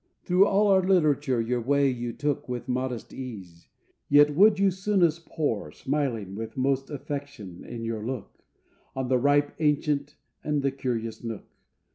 Through all our literature your way you took With modest ease; yet would you soonest pore, Smiling, with most affection in your look, On the ripe ancient and the curious nook.